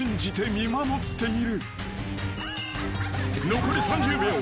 ［残り３０秒。